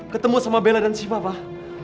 ketemu sama bella dan siva bah